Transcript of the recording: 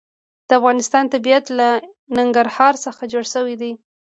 د افغانستان طبیعت له ننګرهار څخه جوړ شوی دی.